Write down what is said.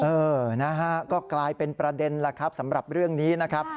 เออนะฮะก็กลายเป็นประเด็นแล้วครับสำหรับเรื่องนี้นะครับ